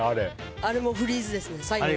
あれもフリーズですね。